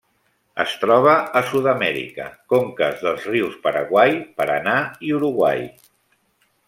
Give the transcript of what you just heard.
Es troba a Sud-amèrica: conques dels rius Paraguai, Paranà i Uruguai.